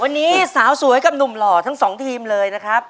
วันนี้สาวสวยกับหนุ่มหล่อทั้งสองทีมเลยนะครับ